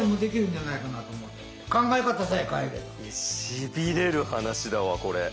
しびれる話だわこれ。